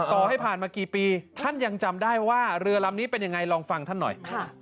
ต่อให้ผ่านมากี่ปีท่านยังจำได้ว่าเรือลำนี้เป็นยังไงลองฟังท่านหน่อย